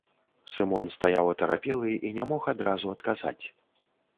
Сымон стаяў атарапелы і не мог адразу адказаць.